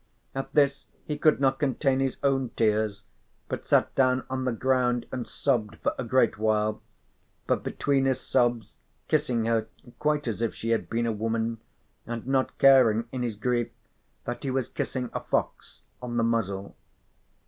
At this he could not contain his own tears, but sat down on the ground and sobbed for a great while, but between his sobs kissing her quite as if she had been a woman, and not caring in his grief that he was kissing a fox on the muzzle.